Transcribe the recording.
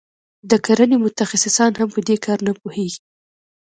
د کرنې متخصصان هم په دې کار نه پوهیږي.